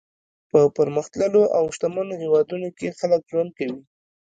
په پرمختللو او شتمنو هېوادونو کې خلک ژوند کوي.